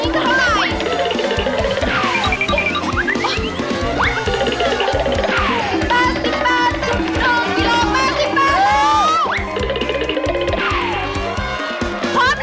หมายเท่านั้นที่เต็มหรือยังได้หรือยัง